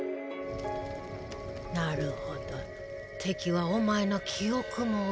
なるほど敵はお前の記憶も奪うのか。